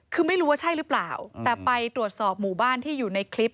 คือไม่รู้ว่าใช่หรือเปล่าแต่ไปตรวจสอบหมู่บ้านที่อยู่ในคลิป